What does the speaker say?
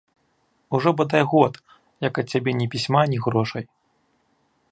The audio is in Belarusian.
Ужо бадай год, як ад цябе ні пісьма, ні грошай.